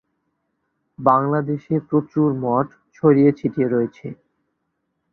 বাংলাদেশে প্রচুর মঠ ছড়িয়ে ছিটিয়ে রয়েছে।